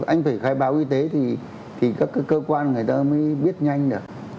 anh phải khai báo y tế thì các cơ quan người ta mới biết nhanh được